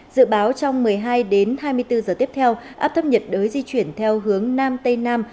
dự báo trong một mươi hai đến hai mươi bốn giờ tiếp theo áp thấp nhiệt đới di chuyển theo hướng nam tây nam